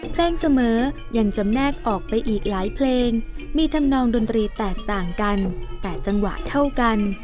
เพลงเสมอยังจำแนกออกไปอีกหลายเพลงมีธรรมนองดนตรีแตกต่างกันแต่จังหวะเท่ากัน